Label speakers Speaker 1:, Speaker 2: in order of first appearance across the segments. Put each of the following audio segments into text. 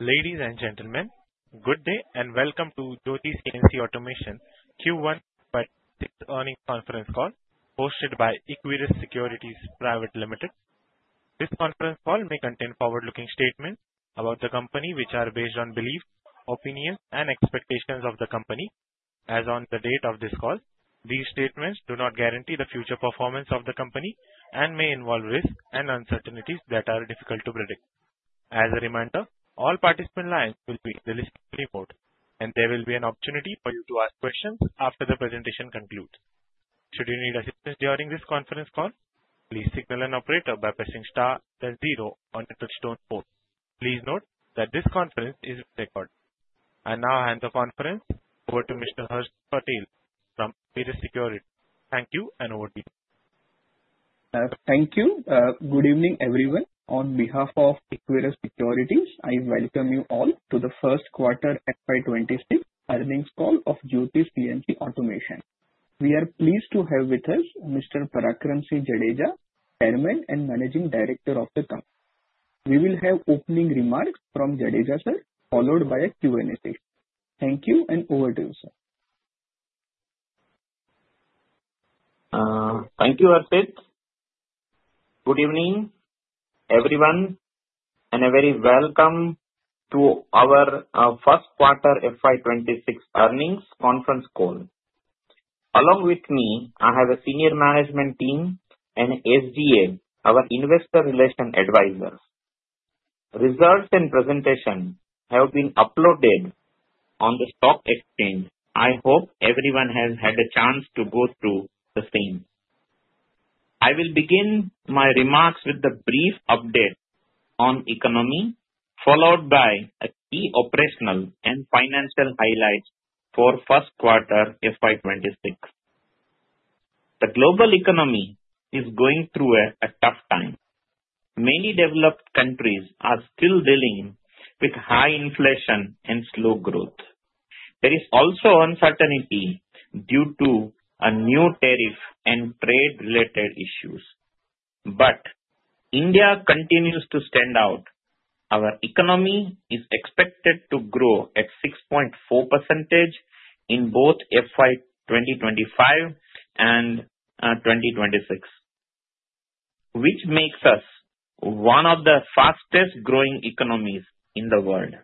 Speaker 1: Ladies and gentlemen, good day and welcome to Jyoti CNC Automation Q1 FY 2026 earnings conference call hosted by Equirus Securities Pvt. Ltd. This conference call may contain forward-looking statements about the company, which are based on beliefs, opinions, and expectations of the company. As of the date of this call, these statements do not guarantee the future performance of the company and may involve risks and uncertainties that are difficult to predict. As a reminder, all participant lines will be in listen-only mode, and there will be an opportunity for you to ask questions after the presentation concludes. Should you need assistance during this conference call, please signal an operator by pressing *0 on the touch-tone phone. Please note that this conference is recorded. I now hand the conference over to Mr. Harshit Patel from Equirus Securities. Thank you and over to you.
Speaker 2: Thank you. Good evening, everyone. On behalf of Equirus Securities, I welcome you all to the first quarter FY 2026 earnings call of Jyoti CNC Automation. We are pleased to have with us Mr. Parakramsinh Jadeja, Chairman and Managing Director of the company. We will have opening remarks from Jadeja, sir, followed by a Q&A session. Thank you and over to you, sir.
Speaker 3: Thank you, Harshit. Good evening, everyone, and a very welcome to our first quarter FY 2026 earnings conference call. Along with me, I have a senior management team and SGA, our investor relation advisors. Results and presentations have been uploaded on the stock exchange. I hope everyone has had a chance to go through the same. I will begin my remarks with a brief update on the economy, followed by key operational and financial highlights for the first quarter of FY 2026. The global economy is going through a tough time. Many developed countries are still dealing with high inflation and slow growth. There is also uncertainty due to new tariffs and trade-related issues. But India continues to stand out. Our economy is expected to grow at 6.4% in both FY 2025 and 2026, which makes us one of the fastest-growing economies in the world.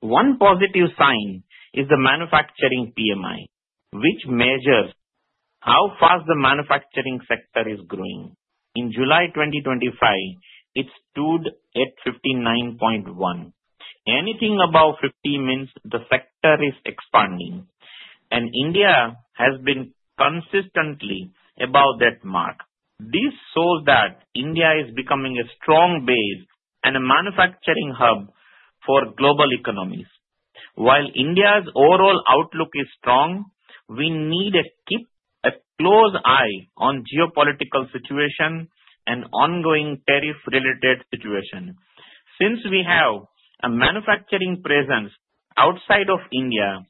Speaker 3: One positive sign is the manufacturing PMI, which measures how fast the manufacturing sector is growing. In July 2025, it stood at 59.1. Anything above 50 means the sector is expanding, and India has been consistently above that mark. This shows that India is becoming a strong base and a manufacturing hub for global economies. While India's overall outlook is strong, we need to keep a close eye on the geopolitical situation and ongoing tariff-related situation. Since we have a manufacturing presence outside of India,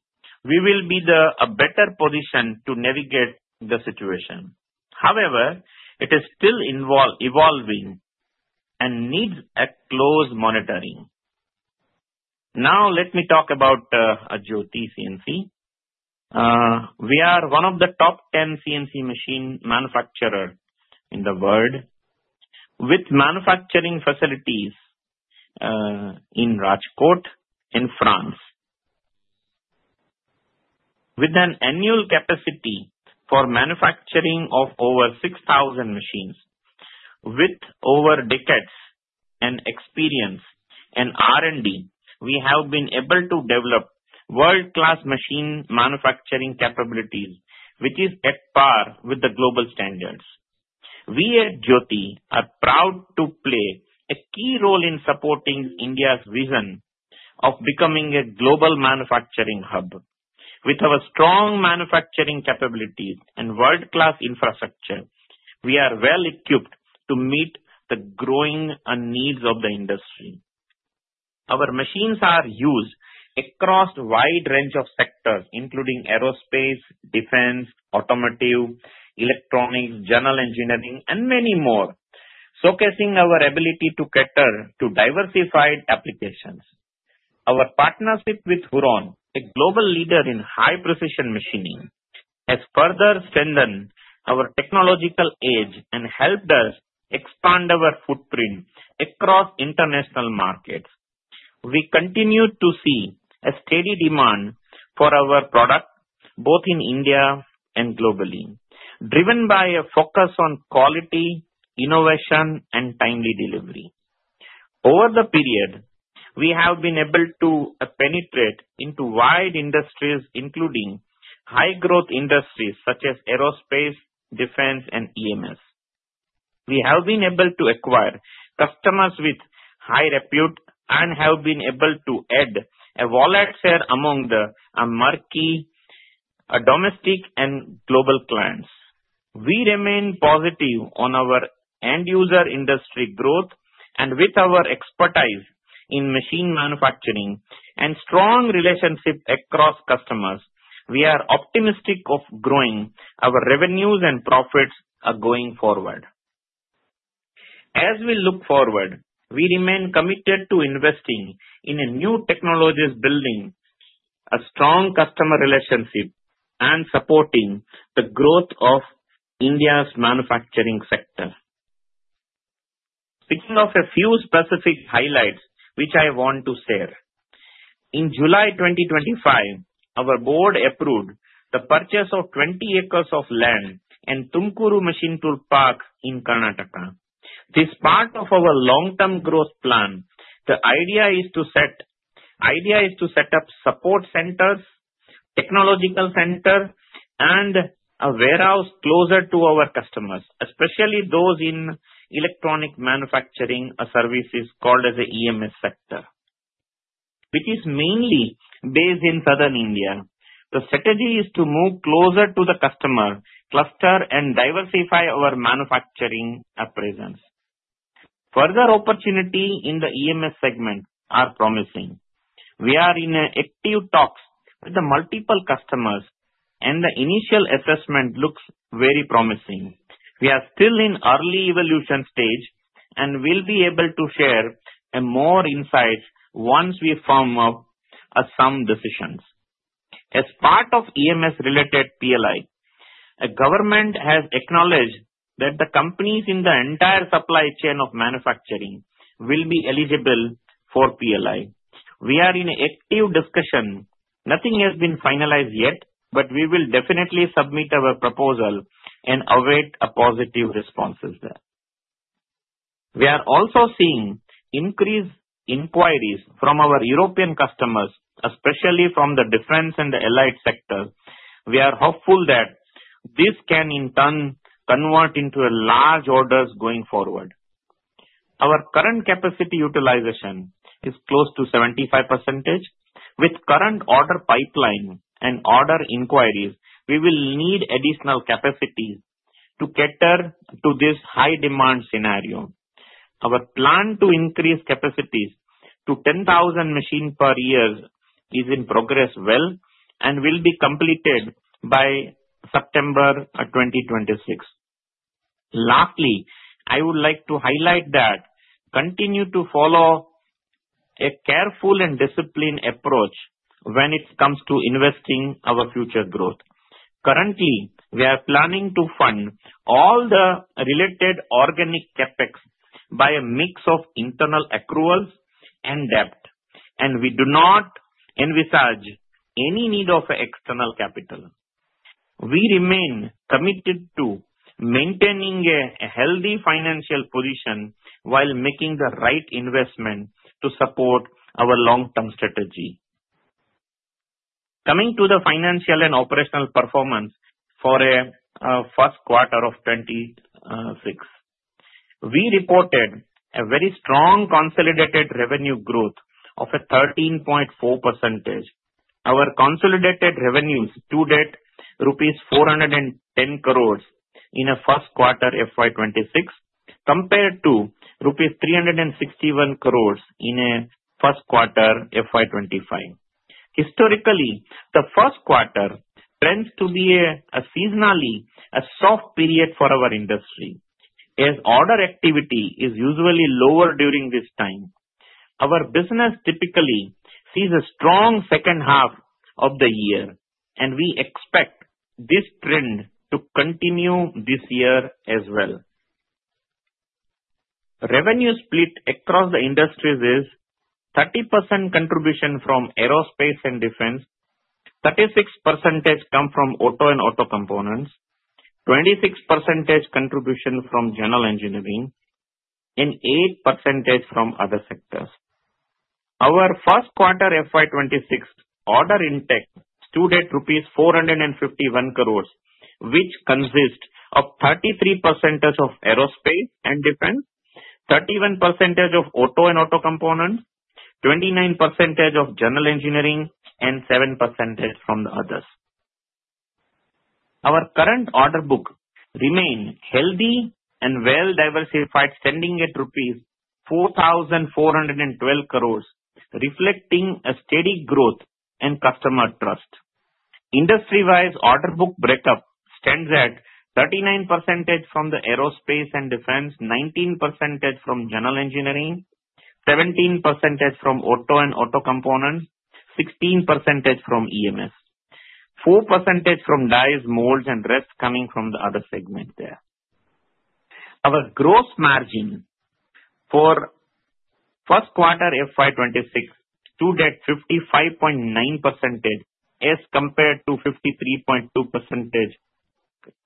Speaker 3: we will be in a better position to navigate the situation. However, it is still evolving and needs close monitoring. Now, let me talk about Jyoti CNC. We are one of the top 10 CNC machine manufacturers in the world, with manufacturing facilities in Rajkot, in France, with an annual capacity for manufacturing of over 6,000 machines. With over decades of experience in R&D, we have been able to develop world-class machine manufacturing capabilities, which is at par with the global standards. We at Jyoti are proud to play a key role in supporting India's vision of becoming a global manufacturing hub. With our strong manufacturing capabilities and world-class infrastructure, we are well-equipped to meet the growing needs of the industry. Our machines are used across a wide range of sectors, including aerospace, defense, automotive, electronics, general engineering, and many more, showcasing our ability to cater to diversified applications. Our partnership with Huron, a global leader in high-precision machining, has further strengthened our technological edge and helped us expand our footprint across international markets. We continue to see a steady demand for our product, both in India and globally, driven by a focus on quality, innovation, and timely delivery. Over the period, we have been able to penetrate into wide industries, including high-growth industries such as aerospace, defense, and EMS. We have been able to acquire customers with high repute and have been able to add a valuable share among the marquee, domestic, and global clients. We remain positive on our end-user industry growth, and with our expertise in machine manufacturing and strong relationships across customers, we are optimistic of growing our revenues and profits going forward. As we look forward, we remain committed to investing in new technologies, building a strong customer relationship, and supporting the growth of India's manufacturing sector. Speaking of a few specific highlights which I want to share, in July 2025, our board approved the purchase of 20 acres of land in Tumakuru Machine Tool Park in Karnataka. This is part of our long-term growth plan. The idea is to set up support centers, technological centers, and a warehouse closer to our customers, especially those in Electronic Manufacturing Services called the EMS sector, which is mainly based in southern India. The strategy is to move closer to the customer cluster and diversify our manufacturing presence. Further opportunities in the EMS segment are promising. We are in active talks with multiple customers, and the initial assessment looks very promising. We are still in the early evolution stage and will be able to share more insights once we form some decisions. As part of EMS-related PLI, the government has acknowledged that the companies in the entire supply chain of manufacturing will be eligible for PLI. We are in active discussion. Nothing has been finalized yet, but we will definitely submit our proposal and await positive responses there. We are also seeing increased inquiries from our European customers, especially from the defense and the allied sectors. We are hopeful that this can, in turn, convert into large orders going forward. Our current capacity utilization is close to 75%. With current order pipeline and order inquiries, we will need additional capacity to cater to this high-demand scenario. Our plan to increase capacity to 10,000 machines per year is in progress well and will be completed by September 2026. Lastly, I would like to highlight that we continue to follow a careful and disciplined approach when it comes to investing in our future growth. Currently, we are planning to fund all the related organic CapEx by a mix of internal accruals and debt, and we do not envisage any need for external capital. We remain committed to maintaining a healthy financial position while making the right investment to support our long-term strategy. Coming to the financial and operational performance for the first quarter of 2026, we reported a very strong consolidated revenue growth of 13.4%. Our consolidated revenues to date were rupees 410 crores in the first quarter of FY 2026, compared to rupees 361 crores in the first quarter of FY 2025. Historically, the first quarter tends to be a seasonally soft period for our industry, as order activity is usually lower during this time. Our business typically sees a strong second half of the year, and we expect this trend to continue this year as well. Revenue split across the industries is 30% contribution from aerospace and defense, 36% comes from auto and auto components, 26% contribution from general engineering, and 8% from other sectors. Our first quarter FY 2026 order intake stood at rupees 451 crores, which consists of 33% of aerospace and defense, 31% of auto and auto components, 29% of general engineering, and 7% from the others. Our current order book remains healthy and well-diversified, standing at rupees 4,412 crores, reflecting a steady growth and customer trust. Industry-wise, order book breakup stands at 39% from aerospace and defense, 19% from general engineering, 17% from auto and auto components, 16% from EMS, and 4% from dies, molds, and rest coming from the other segments. Our gross margin for the first quarter of FY 2026 stood at 55.9% as compared to 53.2%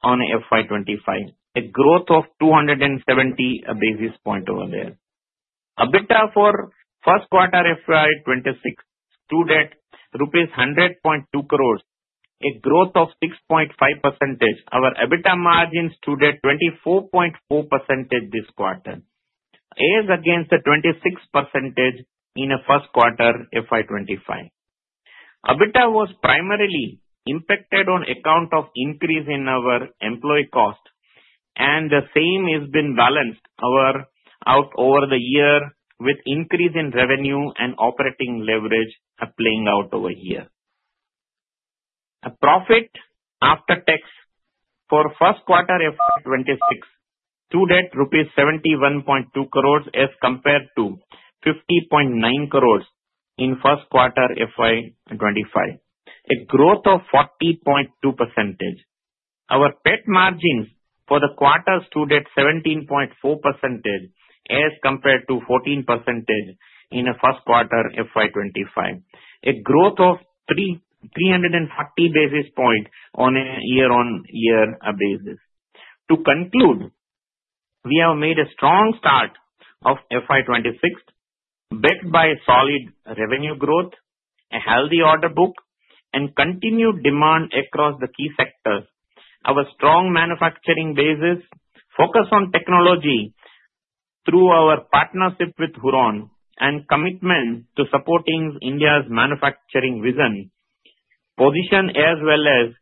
Speaker 3: on FY 2025, a growth of 270 basis points over there. EBITDA for the first quarter of FY 2026 stood at INR 100.2 crores, a growth of 6.5%. Our EBITDA margin stood at 24.4% this quarter, as against the 26% in the first quarter of FY 2025. EBITDA was primarily impacted on account of an increase in our employee cost, and the same has been balanced out over the year with an increase in revenue and operating leverage playing out over here. Profit after tax for the first quarter of FY 2026 stood at rupees 71.2 crores as compared to 50.9 crores in the first quarter of FY 2025, a growth of 40.2%. Our PAT margins for the quarter stood at 17.4% as compared to 14% in the first quarter of FY 2025, a growth of 340 basis points on a year-on-year basis. To conclude, we have made a strong start to FY 2026 backed by solid revenue growth, a healthy order book, and continued demand across the key sectors. Our strong manufacturing basis, focus on technology through our partnership with Huron, and commitment to supporting India's manufacturing vision position as well as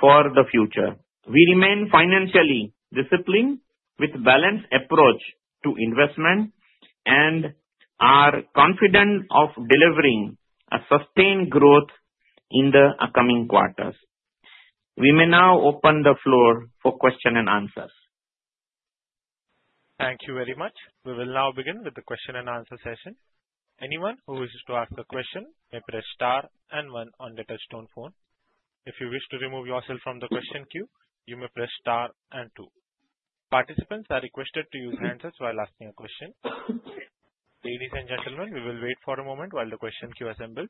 Speaker 3: for the future. We remain financially disciplined with a balanced approach to investment and are confident of delivering a sustained growth in the coming quarters. We may now open the floor for questions and answers.
Speaker 1: Thank you very much. We will now begin with the question and answer session. Anyone who wishes to ask a question may press star and one on the touch-tone phone. If you wish to remove yourself from the question queue, you may press star and two. Participants are requested to use handsets while asking a question. Ladies and gentlemen, we will wait for a moment while the question queue assembles.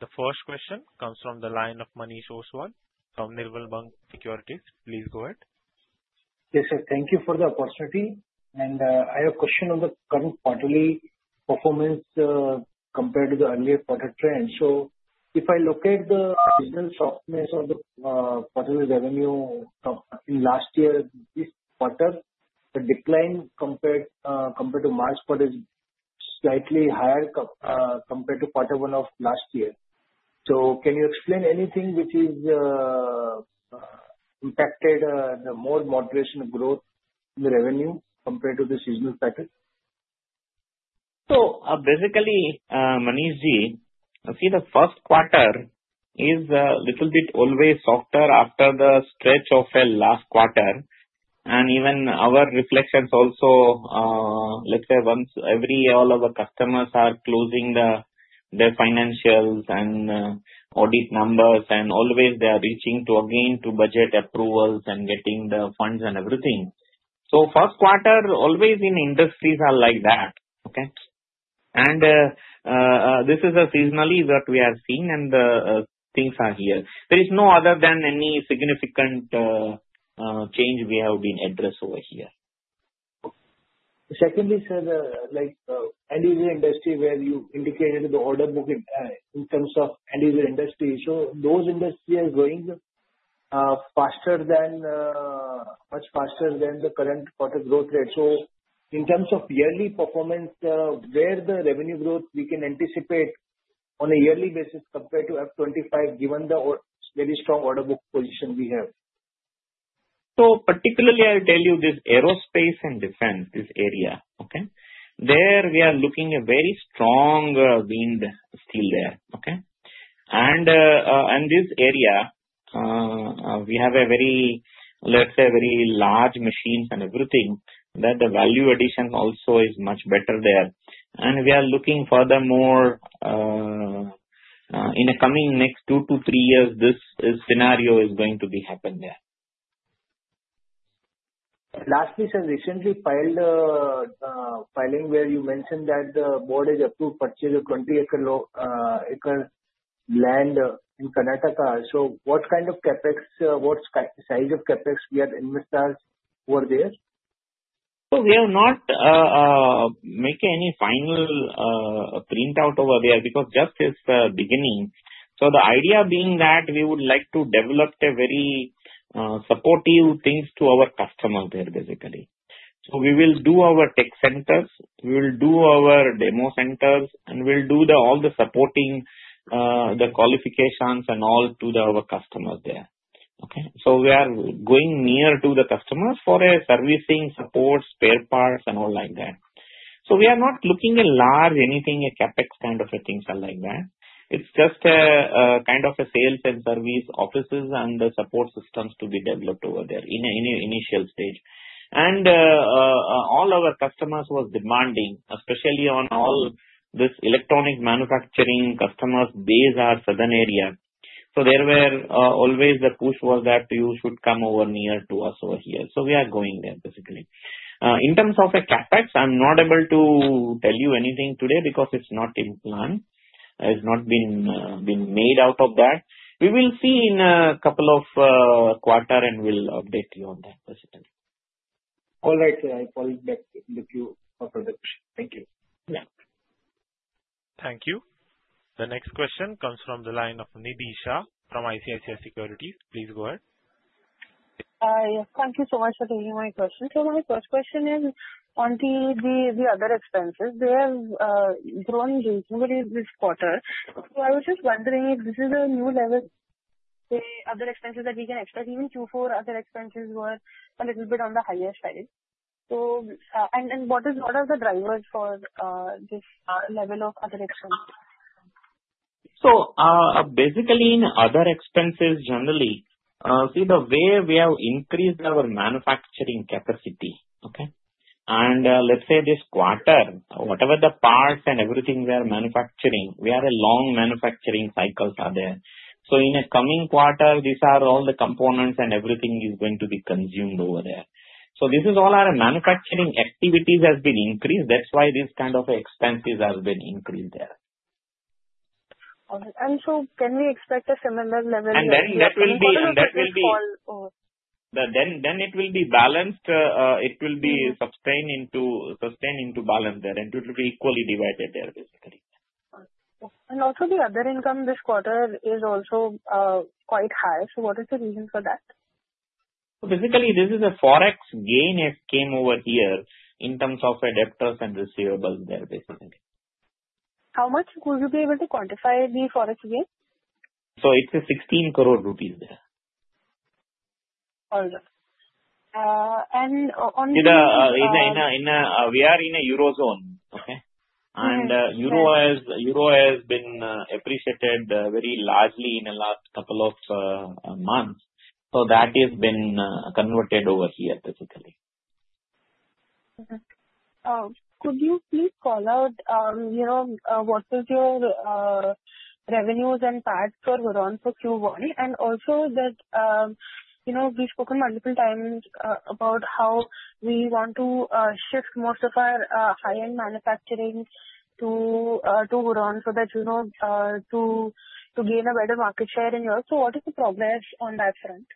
Speaker 1: The first question comes from the line of Manish Ostwal from Nirmal Bang Securities. Please go ahead.
Speaker 4: Yes, sir. Thank you for the opportunity. And I have a question on the current quarterly performance compared to the earlier quarter trend. So if I look at the original softness of the quarterly revenue in last year, this quarter, the decline compared to March quarter is slightly higher compared to quarter one of last year. So can you explain anything which has impacted the more moderation of growth in the revenue compared to the seasonal pattern?
Speaker 3: So basically, Manish ji, I see the first quarter is a little bit always softer after the stretch of the last quarter. And even our reflections also, let's say, once every year all of our customers are closing their financials and audit numbers, and always they are reaching to, again, to budget approvals and getting the funds and everything. So first quarter always in industries are like that, okay? And this is seasonally what we have seen, and things are here. There is no other than any significant change we have been addressed over here.
Speaker 4: Secondly, sir, the end-user industry where you indicated the order book in terms of end-user industry. So those industries are growing much faster than the current quarter growth rate. So in terms of yearly performance, where the revenue growth we can anticipate on a yearly basis compared to FY 2025, given the very strong order book position we have? So particularly, I'll tell you this aerospace and defense, this area, okay? There we are looking at a very strong wind still there, okay? And in this area, we have a very, let's say, very large machines and everything, that the value addition also is much better there. And we are looking furthermore in the coming next two to three years, this scenario is going to be happening there. Lastly, sir, recently filed filing where you mentioned that the board has approved purchase of 20 acres land in Karnataka. So what kind of CapEx, what size of CapEx we have invested over there?
Speaker 3: So we have not made any final footprint over there because just it's beginning. So the idea being that we would like to develop a very supportive thing to our customers there, basically. So we will do our tech centers, we will do our demo centers, and we'll do all the supporting, the qualifications, and all to our customers there, okay? So we are going near to the customers for servicing supports, spare parts, and all like that. So we are not looking at large anything, a CapEx kind of things like that. It's just a kind of a sales and service offices and the support systems to be developed over there in the initial stage. And all our customers were demanding, especially on all this electronic manufacturing customers based in our southern area. So there were always the push was that you should come over near to us over here. So we are going there, basically. In terms of CapEx, I'm not able to tell you anything today because it's not in plan. It's not been made out of that. We will see in a couple of quarters, and we'll update you on that, basically.
Speaker 4: All right, sir. I'll call back with you after the question. Thank you.
Speaker 1: Thank you. The next question comes from the line of Nidhi Shah from ICICI Securities. Please go ahead.
Speaker 5: Thank you so much for taking my question. So my first question is, and the other expenses, they have grown reasonably this quarter. So I was just wondering if this is a new level. The other expenses that we can expect, even Q4, other expenses were a little bit on the higher side. And what are the drivers for this level of other expenses?
Speaker 3: So basically, in other expenses, generally, see the way we have increased our manufacturing capacity, okay? And let's say this quarter, whatever the parts and everything we are manufacturing, we have a long manufacturing cycle there. So in the coming quarter, these are all the components and everything is going to be consumed over there. So this is all our manufacturing activities have been increased. That's why this kind of expenses have been increased there.
Speaker 5: And so can we expect a similar level of capital involved?
Speaker 3: And then that will be balanced. It will be sustained into balance there, and it will be equally divided there, basically.
Speaker 5: And also, the other income this quarter is also quite high. So what is the reason for that?
Speaker 3: So basically, this is a forex gain that came over here in terms of debtors and receivables there, basically.
Speaker 5: How much would you be able to quantify the forex gain?
Speaker 3: So it's INR 16 crore there. And we are in a Eurozone, okay? And euro has been appreciated very largely in the last couple of months. So that has been converted over here, basically.
Speaker 5: Could you please call out what was your revenues and PAT for Huron for Q1? And also, we've spoken multiple times about how we want to shift most of our high-end manufacturing to Huron so that to gain a better market share in Europe. So what is the progress on that front?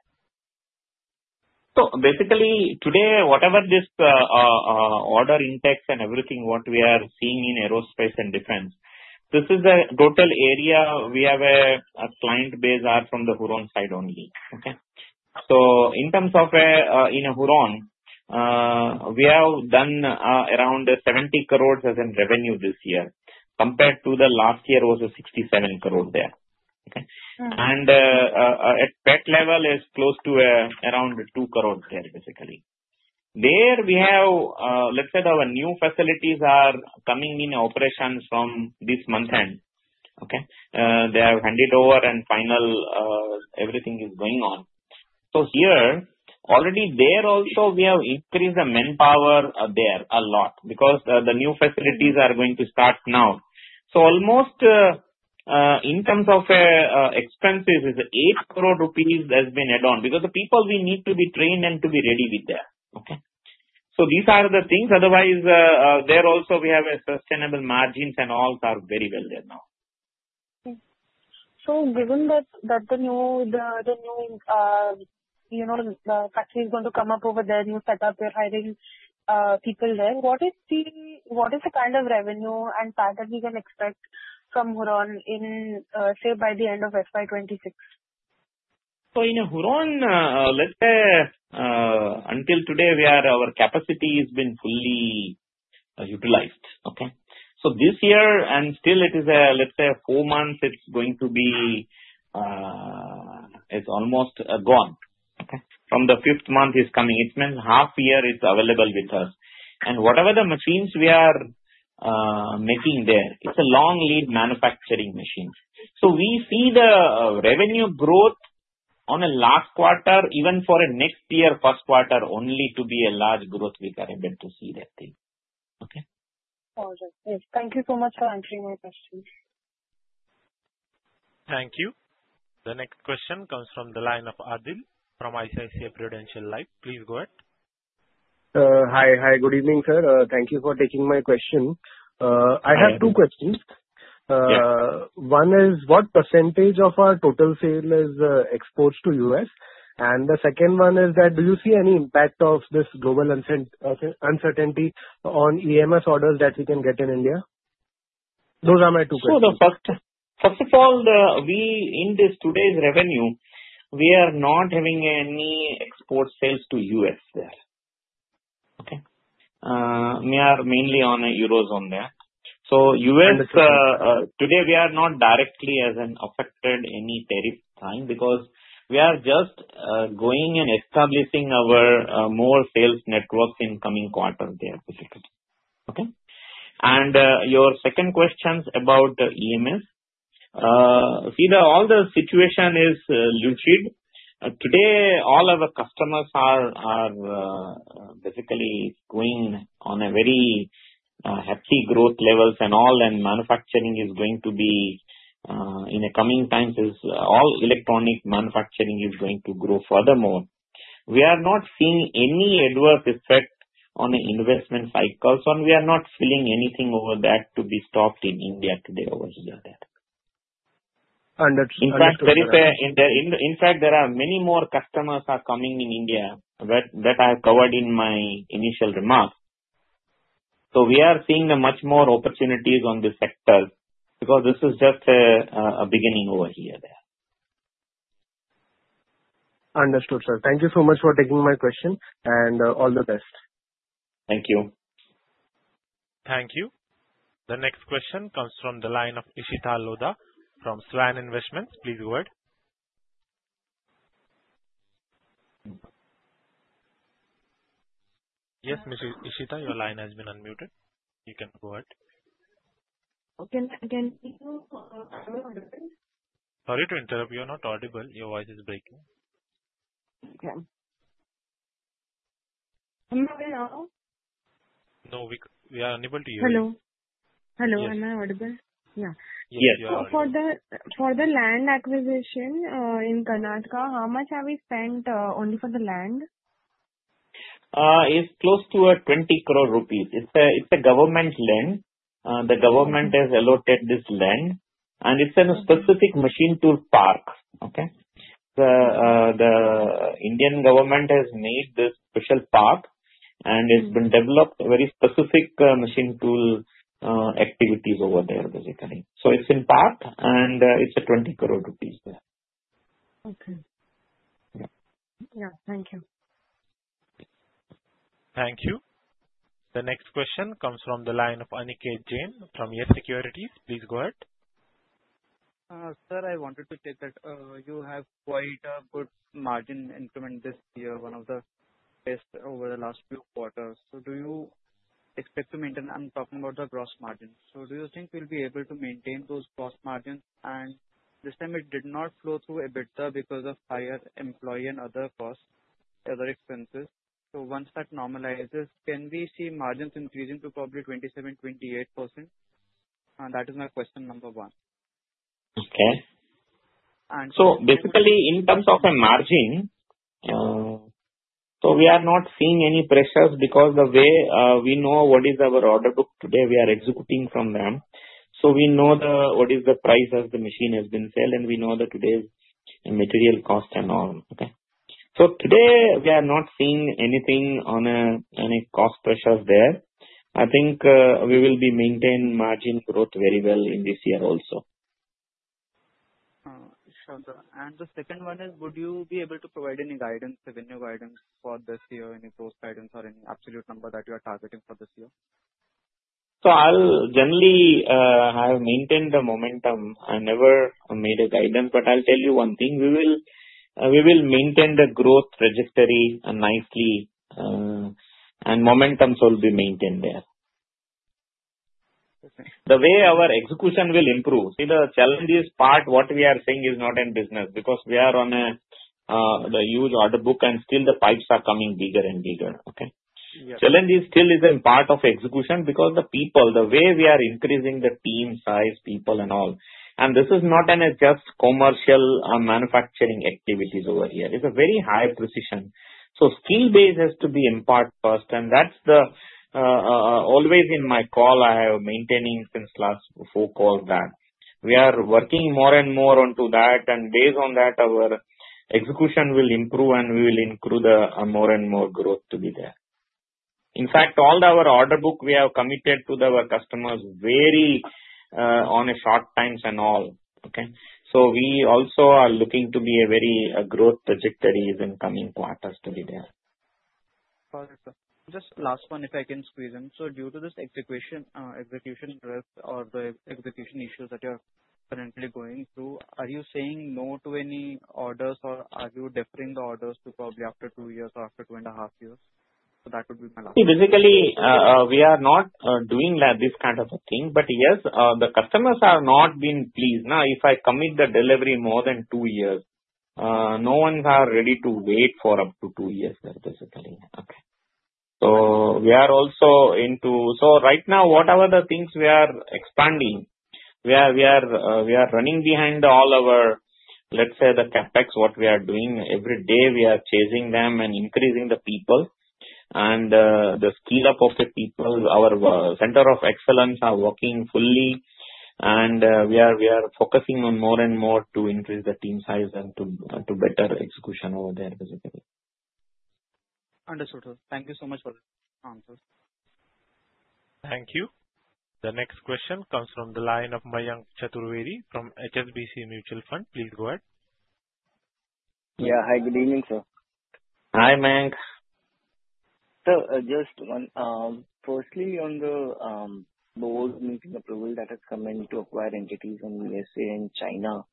Speaker 3: So basically, today, whatever this order intake and everything what we are seeing in aerospace and defense, this is the total area we have a client base from the Huron side only, okay? So in terms of in Huron, we have done around 70 crores as in revenue this year, compared to the last year was 67 crores there, okay? And at PAT level is close to around 2 crores there, basically. There we have, let's say, our new facilities are coming in operations from this month end, okay? They have handed over and final everything is going on. So here, already there also we have increased the manpower there a lot because the new facilities are going to start now. So almost in terms of expenses, it's 8 crore rupees that's been added on because the people we need to be trained and to be ready with there, okay? So these are the things. Otherwise, there also we have sustainable margins and all are very well there now.
Speaker 5: So, given that the new factory is going to come up over there, new setup, they're hiring people there, what is the kind of revenue and path that we can expect from Huron in, say, by the end of FY 2026?
Speaker 3: So in Huron, let's say until today, our capacity has been fully utilized, okay? So this year, and still it is, let's say, four months, it's going to be almost gone, okay? From the fifth month is coming. It means half year is available with us. And whatever the machines we are making there, it's a long-lead manufacturing machine. So we see the revenue growth on a last quarter, even for next year first quarter only to be a large growth we are able to see that thing, okay?
Speaker 5: All right. Thank you so much for answering my question.
Speaker 1: Thank you. The next question comes from the line of Adil from ICICI Prudential Life. Please go ahead.
Speaker 6: Hi. Hi. Good evening, sir. Thank you for taking my question. I have two questions. One is, what percentage of our total sale is exports to U.S.? And the second one is that do you see any impact of this global uncertainty on EMS orders that we can get in India? Those are my two questions.
Speaker 3: So first of all, in today's revenue, we are not having any export sales to U.S. there, okay? We are mainly on a euro zone there. So U.S., today, we are not directly as an affected any tariff time because we are just going and establishing our more sales networks in coming quarters there, basically, okay? And your second question is about the EMS. See, all the situation is lucid. Today, all our customers are basically going on a very hefty growth levels and all, and manufacturing is going to be in the coming times, all electronic manufacturing is going to grow furthermore. We are not seeing any adverse effect on the investment cycles, and we are not feeling anything over that to be stopped in India today over here. In fact, there are many more customers coming in India that I have covered in my initial remarks. So we are seeing much more opportunities on this sector because this is just a beginning over here there.
Speaker 6: Understood, sir. Thank you so much for taking my question, and all the best. Thank you.
Speaker 1: Thank you. The next question comes from the line of Ishita Lodha from SVAN Investments. Please go ahead. Yes, Ishita, your line has been unmuted. You can go ahead.
Speaker 7: Can you hear me? Sorry to interrupt.
Speaker 1: You are not audible. Your voice is breaking.
Speaker 7: Okay. Can you hear me now?
Speaker 1: No, we are unable to hear you.
Speaker 7: Hello. Hello. Am I audible? Yeah.
Speaker 1: Yes, you are audible. For the land acquisition in Karnataka, how much have we spent only for the land?
Speaker 3: It's close to 20 crore rupees. It's a government land. The government has allotted this land, and it's in a specific machine tool park, okay? The Indian government has made this special park, and it's been developed very specific machine tool activities over there, basically. So it's in park, and it's 20 crore rupees there.
Speaker 7: Okay. Yeah. Yeah. Thank you.
Speaker 1: Thank you. The next question comes from the line of Aniket Jain from YES Securities. Please go ahead.
Speaker 8: Sir, I wanted to take that you have quite a good margin increment this year, one of the best over the last few quarters. So do you expect to maintain? I'm talking about the gross margins. So do you think we'll be able to maintain those gross margins? And this time, it did not flow through a bit because of higher employee and other costs, other expenses. So once that normalizes, can we see margins increasing to probably 27%-28%? That is my question number one.
Speaker 3: Okay. So basically, in terms of a margin, so we are not seeing any pressures because the way we know what is our order book today, we are executing from them. So we know what is the price as the machine has been sold, and we know the today's material cost and all, okay? So today, we are not seeing anything on any cost pressures there. I think we will be maintaining margin growth very well in this year also.
Speaker 8: Sure. And the second one is, would you be able to provide any guidance, revenue guidance for this year, any growth guidance, or any absolute number that you are targeting for this year?
Speaker 3: So I'll generally have maintained the momentum. I never made a guidance, but I'll tell you one thing. We will maintain the growth trajectory nicely, and momentums will be maintained there. The way our execution will improve. See, the challenge is part what we are saying is not in business because we are on a huge order book, and still the pipes are coming bigger and bigger, okay? Challenge still is in part of execution because the people, the way we are increasing the team size, people and all. And this is not just commercial manufacturing activities over here. It's a very high precision. Skill base has to be in place first, and that's the always in my call I have maintaining since last four calls that we are working more and more onto that, and based on that, our execution will improve, and we will include more and more growth to be there. In fact, all our order book, we have committed to our customers very on a short times and all, okay? So we also are looking to be a very growth trajectory in coming quarters to be there.
Speaker 8: Just last one, if I can squeeze in. So due to this execution risk or the execution issues that you're currently going through, are you saying no to any orders, or are you deferring the orders to probably after two years or after two and a half years? So that would be my last.
Speaker 3: See, basically, we are not doing this kind of a thing, but yes, the customers have not been pleased. Now, if I commit the delivery more than two years, no one's ready to wait for up to two years, basically, okay? So we are also into so right now, whatever the things we are expanding, we are running behind all our, let's say, the CapEx, what we are doing. Every day, we are chasing them and increasing the people and the skill up of the people. Our center of excellence are working fully, and we are focusing on more and more to increase the team size and to better execution over there, basically.
Speaker 8: Understood, sir. Thank you so much for the answers.
Speaker 1: Thank you. The next question comes from the line of Mayank Chaturvedi from HSBC Mutual Fund. Please go ahead.
Speaker 9: Yeah. Hi. Good evening, sir.
Speaker 3: Hi, Mayank.
Speaker 9: Sir, just one. Firstly, on the board meeting approval that has come in to acquire entities in USA and China,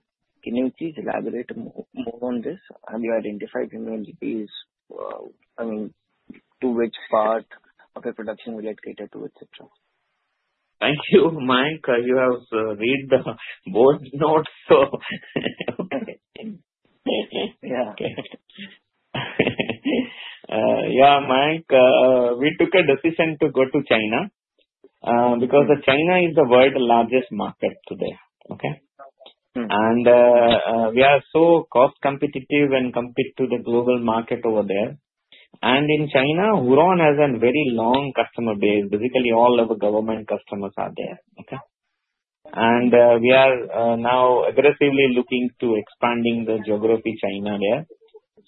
Speaker 9: can you please elaborate more on this? Have you identified any entities, I mean, to which part of the production will it cater to, etc.?
Speaker 3: Thank you, Mayank. You have read the board notes, so. Yeah. Yeah, Mayank, we took a decision to go to China because China is the world's largest market today, okay? And we are so cost competitive and compete to the global market over there. And in China, Huron has a very long customer base. Basically, all of our government customers are there, okay? And we are now aggressively looking to expand the geography China there.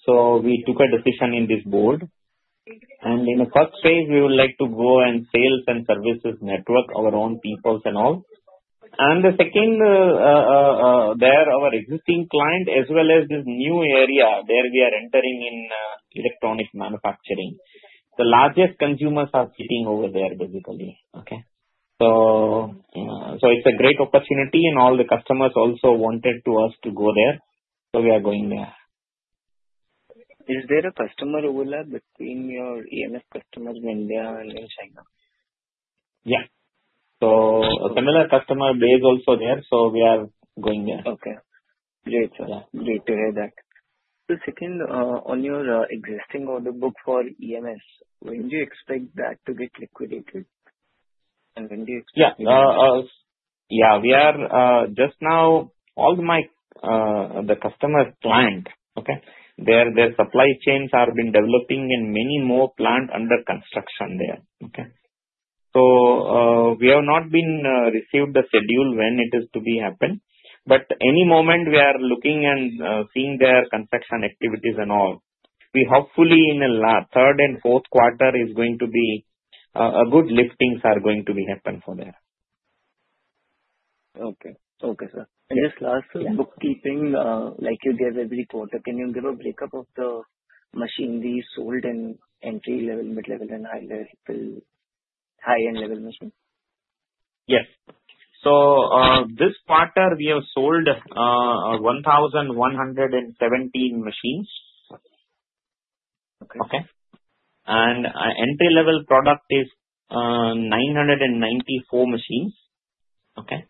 Speaker 3: So we took a decision in this board. And in the first phase, we would like to go and sales and services network our own people and all. And the second, there are our existing client as well as this new area where we are entering in electronic manufacturing. The largest consumers are sitting over there, basically, okay? So it's a great opportunity, and all the customers also wanted us to go there. So we are going there. Is there a customer overlap between your EMS customers in India and in China? Yeah. So a similar customer base also there, so we are going there.
Speaker 9: Okay. Great, sir. Great to hear that. The second, on your existing order book for EMS, when do you expect that to get liquidated? And when do you expect?
Speaker 3: Yeah. Just now, all the customer client, okay? Their supply chains have been developing in many more plants under construction there, okay? So we have not received the schedule when it is to be happened, but any moment we are looking and seeing their construction activities and all. Hopefully, in the third and fourth quarter, it's going to be a good lifting that is going to happen for there.
Speaker 9: Okay. Okay, sir. And just last, bookkeeping, like you give every quarter, can you give a breakup of the machine we sold in entry level, mid-level, and high-level, high-end level machine?
Speaker 3: Yes. So this quarter, we have sold 1,117 machines, okay? And entry-level product is 994 machines, okay?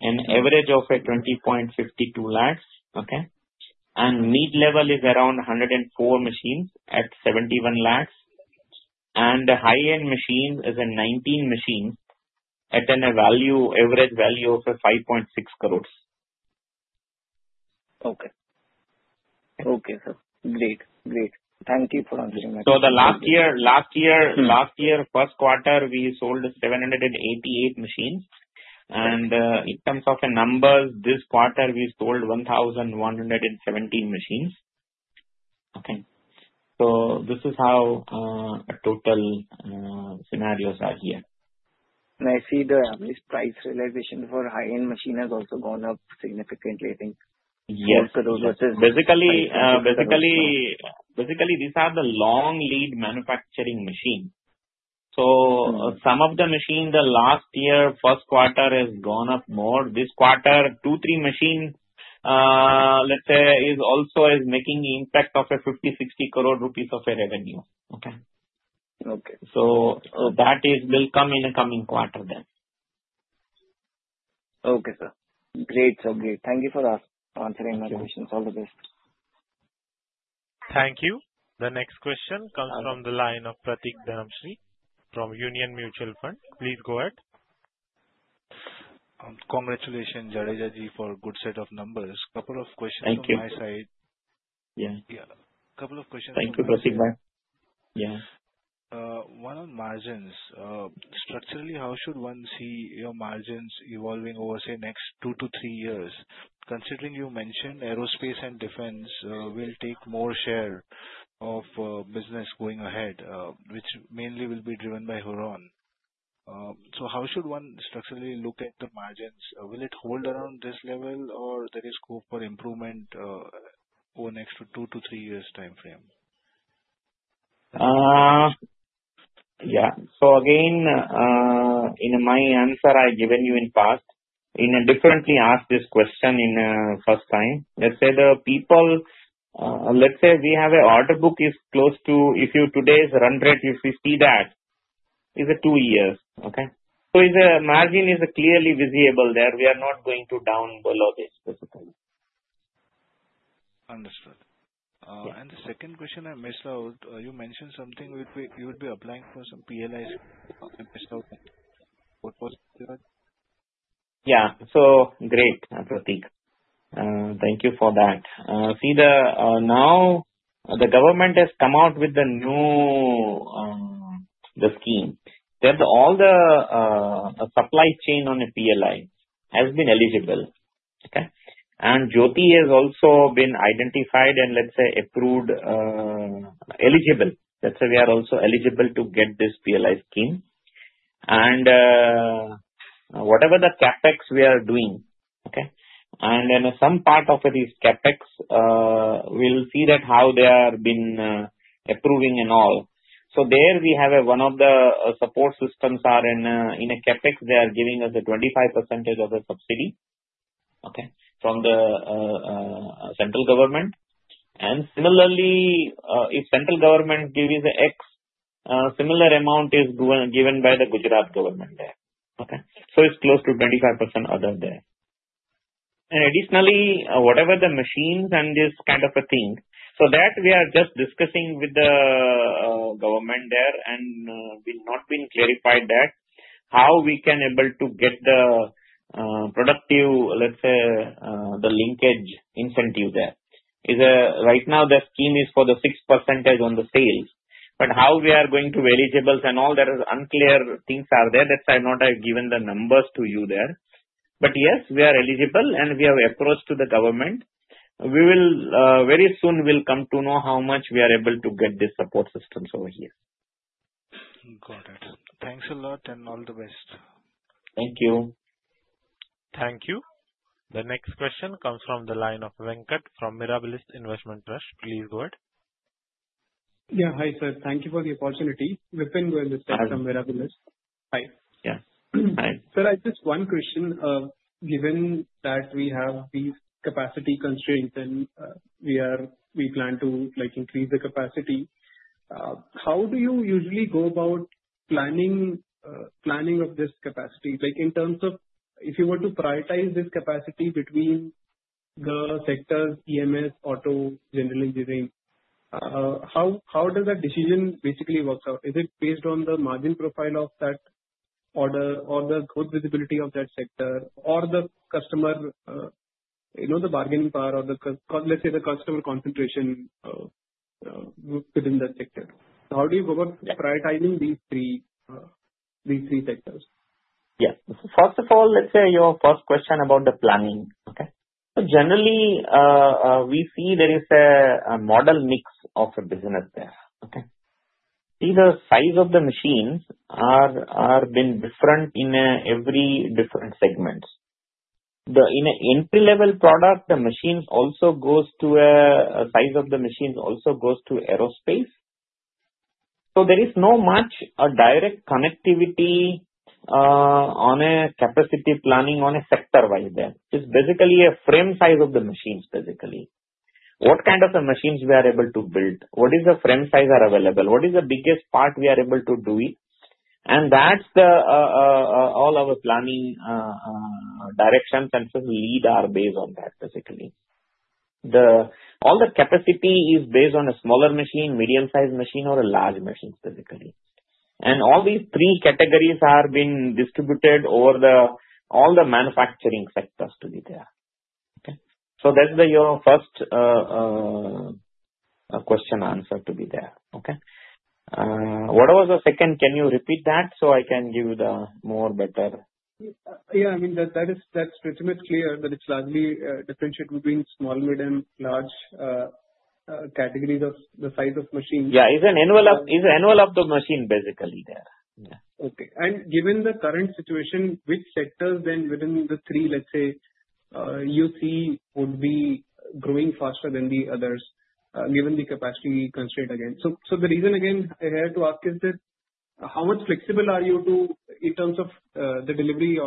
Speaker 3: In average of 20.52 lakhs, okay? And mid-level is around 104 machines at 71 lakhs. And the high-end machine is 19 machines at an average value of 5.6 crores.
Speaker 9: Okay. Okay, sir. Great. Great. Thank you for answering my question.
Speaker 3: So the last year, last year, first quarter, we sold 788 machines. In terms of numbers, this quarter, we sold 1,117 machines, okay? So this is how total scenarios are here.
Speaker 9: And I see the average price realization for high-end machine has also gone up significantly, I think.
Speaker 3: Yes. Basically, these are the long-lead manufacturing machine. So some of the machine, the last year, first quarter, has gone up more. This quarter, two, three machines, let's say, is also making the impact of 50 crore-60 crore rupees of revenue, okay? So that will come in the coming quarter then.
Speaker 9: Okay, sir. Great. So great. Thank you for answering my questions. All the best.
Speaker 1: Thank you. The next question comes from the line of Pratik Dharamshi from Union Mutual Fund. Please go ahead.
Speaker 10: Congratulations, Jadeja, for a good set of numbers. Couple of questions on my side. Thank you. Yeah. Couple of questions.
Speaker 3: Thank you, Pratik.
Speaker 10: Yeah. One on margins. Structurally, how should one see your margins evolving over, say, the next two to three years? Considering you mentioned aerospace and defense will take more share of business going ahead, which mainly will be driven by Huron. So how should one structurally look at the margins? Will it hold around this level, or is there scope for improvement over the next two to three years' timeframe?
Speaker 3: Yeah. So again, in my answer, I've given you in part, in a differently asked this question in the first time. Let's say the people, let's say we have an order book close to if today's run rate, if we see that, is two years, okay? So the margin is clearly visible there. We are not going to down below this, basically.
Speaker 10: Understood, and the second question I missed out. You mentioned something you would be applying for some PLIs. I missed out. What was it, Jadeja?
Speaker 3: Yeah. So great, Pratik. Thank you for that. See, now the government has come out with the new scheme. All the supply chain on a PLI has been eligible, okay? And Jyoti has also been identified and, let's say, approved eligible. Let's say we are also eligible to get this PLI scheme. And whatever the CapEx we are doing, okay? And some part of these CapEx, we'll see that how they have been approving and all. So there we have one of the support systems are in a CapEx. They are giving us a 25% of a subsidy, okay, from the central government. And similarly, if central government gives us X, similar amount is given by the Gujarat government there, okay? So it's close to 25% other there. And additionally, whatever the machines and this kind of a thing, so that we are just discussing with the government there and it will not be clarified that how we can be able to get the production linked incentive there. Right now, the scheme is for the 6% on the sales, but how we are going to be eligible and all that is unclear things are there. That's why I've not given the numbers to you there. But yes, we are eligible, and we have approached the government. Very soon, we'll come to know how much we are able to get these support systems over here.
Speaker 10: Got it. Thanks a lot, and all the best.
Speaker 3: Thank you.
Speaker 1: Thank you. The next question comes from the line of Venkat from Mirabilis Investment Trust. Please go ahead.
Speaker 11: Yeah. Hi, sir. Thank you for the opportunity. Venkat Rakesh, this is from Mirabilis. Hi. Yeah. Hi. Sir, I have just one question. Given that we have these capacity constraints and we plan to increase the capacity, how do you usually go about planning of this capacity? In terms of if you were to prioritize this capacity between the sectors, EMS, auto, general engineering, how does that decision basically work out? Is it based on the margin profile of that order or the visibility of that sector or the customer, the bargaining power or the, let's say, the customer concentration within that sector? How do you go about prioritizing these three sectors?
Speaker 3: Yeah. First of all, let's say your first question about the planning, okay? Generally, we see there is a model mix of a business there, okay? See, the size of the machines has been different in every different segment. In an entry-level product, the machines also go to a size of the machines also goes to aerospace, so there is not much direct connectivity on a capacity planning on a sector-wise there. It's basically a frame size of the machines, basically. What kind of machines we are able to build? What is the frame size available? What is the biggest part we are able to do it? And that's all our planning directions and lead time based on that, basically. All the capacity is based on a smaller machine, medium-sized machine, or a large machine, basically. All these three categories have been distributed over all the manufacturing sectors to be there, okay? That's your first question answer to be there, okay? What was the second? Can you repeat that so I can give you the more better? Yeah.
Speaker 11: I mean, that's pretty much clear that it's largely differentiated between small, medium, large categories of the size of machines.
Speaker 3: Yeah. It's an annual of the machine, basically, there. Yeah.
Speaker 11: Okay. And given the current situation, which sectors then within the three, let's say, you see would be growing faster than the others given the capacity constraint again? So the reason again I have to ask is that how much flexible are you in terms of the delivery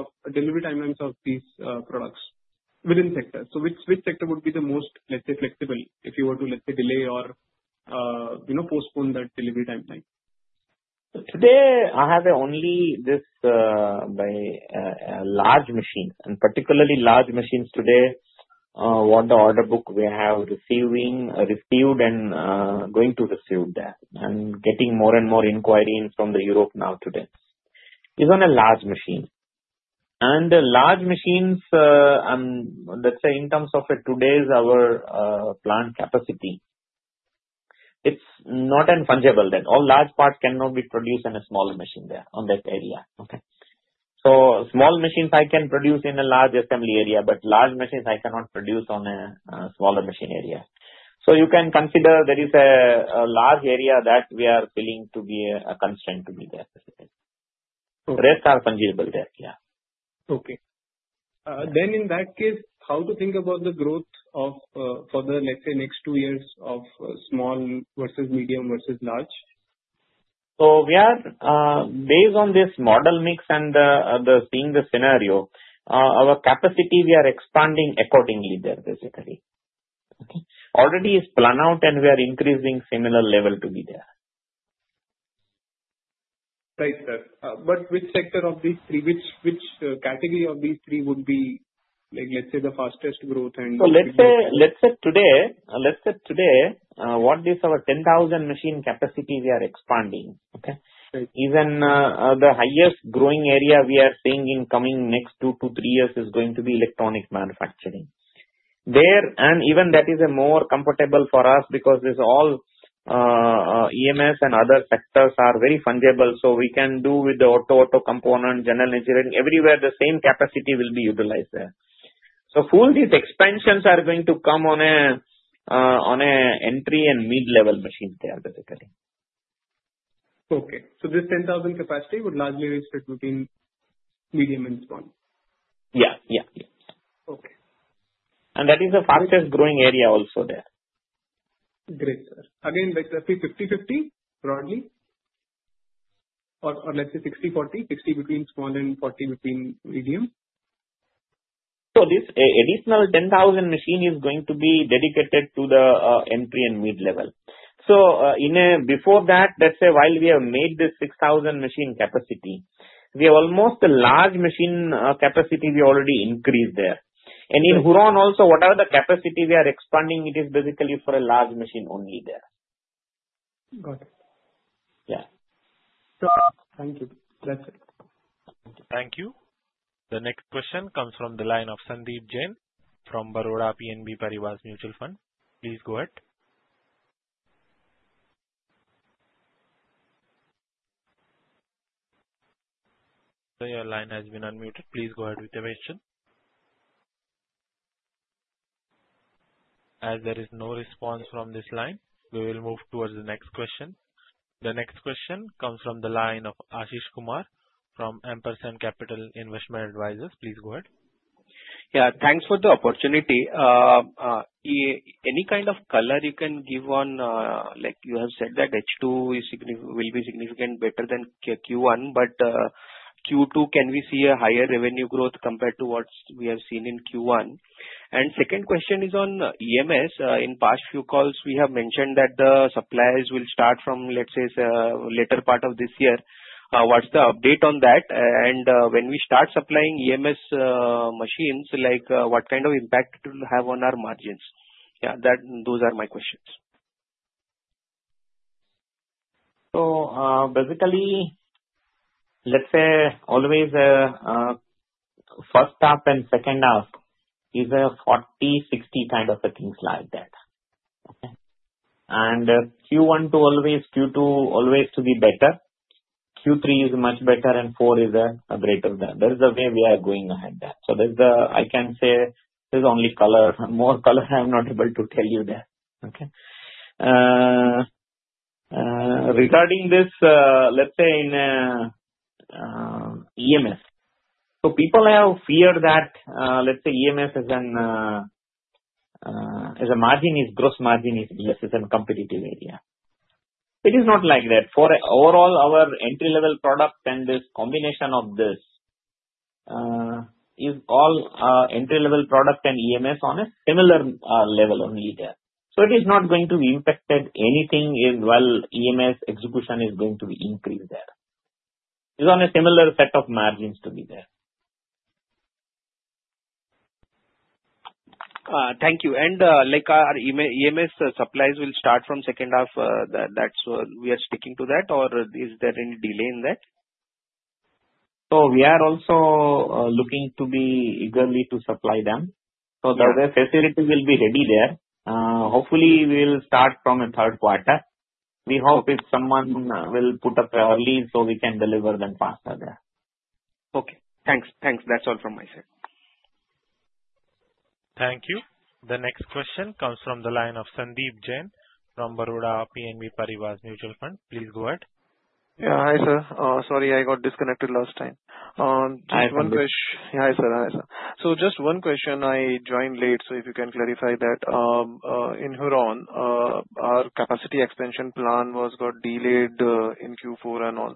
Speaker 11: timelines of these products within sectors? So which sector would be the most, let's say, flexible if you were to, let's say, delay or postpone that delivery timeline?
Speaker 3: Today, I have only this by large machines. And particularly, large machines today want the order book we have received and going to receive there and getting more and more inquiries from Europe now today is on a large machine. Large machines, let's say, in terms of today's our plant capacity, it's not interchangeable then. All large parts cannot be produced in a small machine there on that area, okay? So small machines, I can produce in a large assembly area, but large machines, I cannot produce on a smaller machine area. So you can consider there is a large area that we are willing to be constrained to be there. Rest are fungible there, yeah.
Speaker 11: Okay. Then in that case, how to think about the growth for the, let's say, next two years of small versus medium versus large?
Speaker 3: So based on this model mix and seeing the scenario, our capacity we are expanding accordingly there, basically, okay? Already is planned out, and we are increasing similar level to be there.
Speaker 11: Right, sir. But which sector of these three? Which category of these three would be, let's say, the fastest growth and?
Speaker 3: So, let's say today, what is our 10,000 machine capacity we are expanding, okay? Even the highest growing area we are seeing in coming next two to three years is going to be electronic manufacturing. And even that is more comfortable for us because all EMS and other sectors are very fungible. So we can do with the auto, auto component, general engineering, everywhere the same capacity will be utilized there. So full, these expansions are going to come on an entry and mid-level machine there, basically.
Speaker 11: Okay. So this 10,000 capacity would largely restrict between medium and small?
Speaker 3: Yeah. Yeah. Yeah.
Speaker 11: Okay.
Speaker 3: And that is a fastest growing area also there.
Speaker 11: Great, sir. Again, let's say 50/50 broadly or, let's say, 60/40, 60 between small and 40 between medium?
Speaker 3: So this additional 10,000 machine is going to be dedicated to the entry and mid-level. So before that, let's say while we have made this 6,000 machine capacity, we have almost a large machine capacity we already increased there. And in Huron also, whatever the capacity we are expanding, it is basically for a large machine only there.
Speaker 11: Got it. Yeah. Thank you. That's it.
Speaker 1: Thank you. The next question comes from the line of Sandeep Jain from Baroda BNP Paribas Mutual Fund. Please go ahead. The line has been unmuted. Please go ahead with the question. As there is no response from this line, we will move towards the next question. The next question comes from the line of Ashish Kumar from Ampersand Capital Investment Advisors. Please go ahead. Yeah.
Speaker 12: Thanks for the opportunity. Any kind of color you can give on you have said that H2 will be significantly better than Q1, but Q2, can we see a higher revenue growth compared to what we have seen in Q1? And second question is on EMS. In past few calls, we have mentioned that the supplies will start from, let's say, later part of this year. What's the update on that? And when we start supplying EMS machines, what kind of impact will it have on our margins? Yeah. Those are my questions.
Speaker 3: So basically, let's say always first half and second half is a 40/60 kind of a thing like that, okay? And Q1 to always Q2 always to be better. Q3 is much better, and 4 is a greater than. That is the way we are going ahead there. So I can say there's only color. More color, I'm not able to tell you there, okay? Regarding this, let's say in EMS, so people have feared that, let's say, EMS as a margin is gross margin is less than competitive area. It is not like that. Overall, our entry-level product and this combination of this is all entry-level product and EMS on a similar level only there. So it is not going to be impacted anything while EMS execution is going to be increased there. It's on a similar set of margins to be there.
Speaker 12: Thank you. And EMS supplies will start from second half. We are sticking to that, or is there any delay in that?
Speaker 3: So we are also looking to be eagerly to supply them. So the facility will be ready there. Hopefully, we'll start from a third quarter. We hope if someone will put up early so we can deliver them faster there.
Speaker 12: Okay. Thanks. Thanks. That's all from my side.
Speaker 1: Thank you. The next question comes from the line of Sandeep Jain from Baroda BNP Paribas Mutual Fund. Please go ahead.
Speaker 13: Yeah. Hi, sir. Sorry, I got disconnected last time. Just one question. Hi, sir. Hi, sir. So just one question. I joined late, so if you can clarify that. In Huron, our capacity expansion plan was got delayed in Q4 and all.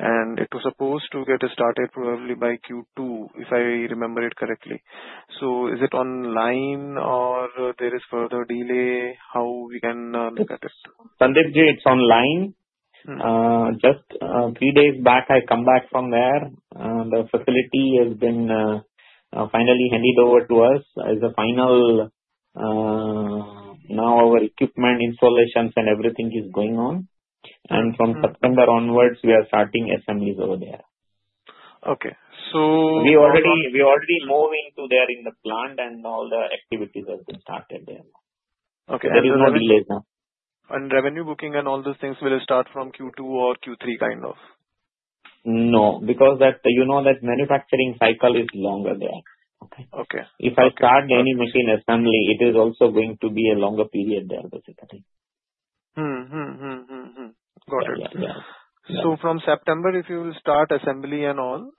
Speaker 13: And it was supposed to get started probably by Q2, if I remember it correctly. So is it online, or there is further delay? How we can look at it?
Speaker 3: Sandeep Jain, it's online. Just three days back, I come back from there. The facility has been finally handed over to us as a final now our equipment installations and everything is going on. From September onwards, we are starting assemblies over there. Okay. We already move into there in the plant, and all the activities have been started there. There is no delay now.
Speaker 13: Revenue booking and all those things will start from Q2 or Q3 kind of?
Speaker 3: No, because you know that manufacturing cycle is longer there, okay? If I start any machine assembly, it is also going to be a longer period there, basically.
Speaker 13: Got it. Yeah. From September, if you will start assembly and all,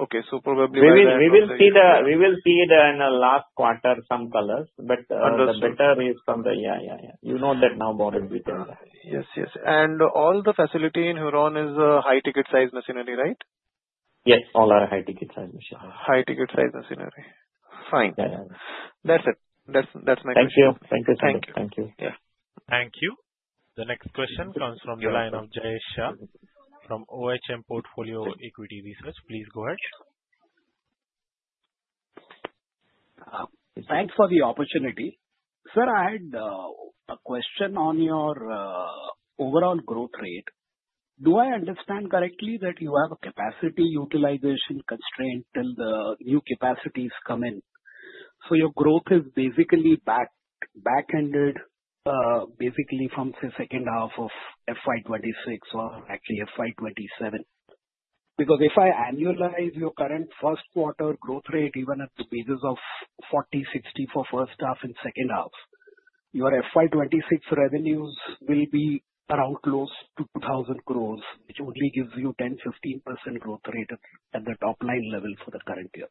Speaker 13: okay, so probably by the end of.
Speaker 3: We will see in the last quarter some colors, but the better is from the. Yeah, yeah, yeah. You know that now, boring.
Speaker 13: Yes, yes, yes. All the facility in Huron is high-ticket size machinery, right?
Speaker 3: Yes. All are high-ticket size machinery. High-ticket size machinery.
Speaker 13: Fine. That's it. That's my question. Thank you. Thank you so much.
Speaker 3: Thank you.
Speaker 1: Thank you. The next question comes from the line of Jayesh Shah from OHM Portfolio Equi Research. Please go ahead.
Speaker 14: Thanks for the opportunity. Sir, I had a question on your overall growth rate. Do I understand correctly that you have a capacity utilization constraint till the new capacities come in? So your growth is basically back-ended, basically from, say, second half of FY 2026 or actually FY27. Because if I annualize your current first quarter growth rate, even on the basis of 40/60 for first half and second half, your FY 2026 revenues will be around close to 2,000 crores, which only gives you 10%-15% growth rate at the top line level for the current year.